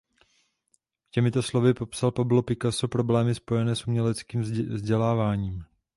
Těmito slovy popsal Pablo Picasso problémy spojené s uměleckým vzděláváním.